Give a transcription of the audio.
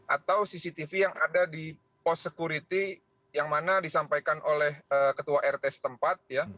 atau cctv yang ada di pos security yang mana disampaikan oleh ketua rt setempat